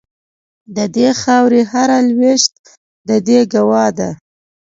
د دې خاوري هر لوېشت د دې ګوا ده